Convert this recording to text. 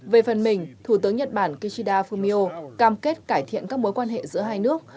về phần mình thủ tướng nhật bản kishida fumio cam kết cải thiện các mối quan hệ giữa hai nước